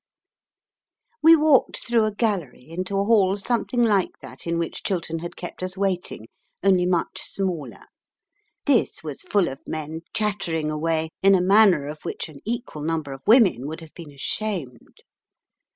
We walked through a gallery into a hall something like that in which Chiltern had kept us waiting, only much smaller. This was full of men chattering away in a manner of which an equal number of women would have been ashamed.